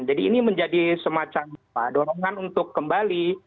jadi ini menjadi semacam dorongan untuk kembali